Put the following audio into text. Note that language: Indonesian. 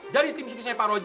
jadi tim suksesnya pak roji